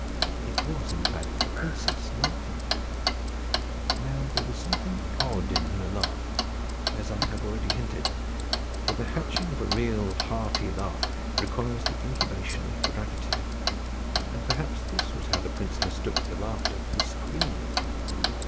It was, in fact, the princess laughing. Now there was something odd in her laugh, as I have already hinted, for the hatching of a real hearty laugh requires the incubation of gravity; and perhaps this was how the prince mistook the laughter for screaming.